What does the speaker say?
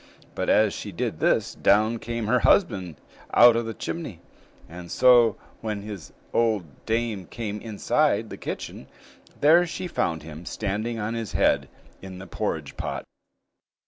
But as she did this, down came her husband out of the chimney; and so when his old dame came inside the kitchen, there she found him standing on his head in the porridge pot.